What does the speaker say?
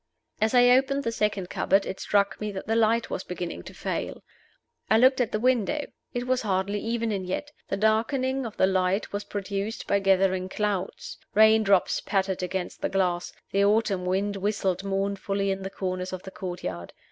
As I opened the second cupboard it struck me that the light was beginning to fail. I looked at the window: it was hardly evening yet. The darkening of the light was produced by gathering clouds. Rain drops pattered against the glass; the autumn wind whistled mournfully in the corners of the courtyard.